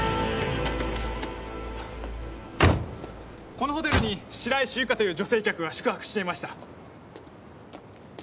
このホテルに白石ゆかという女性客が宿泊していました。